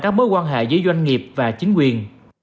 các mối quan hệ giữa doanh nghiệp và chính quyền